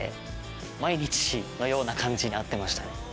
毎日のような感じで会ってましたね。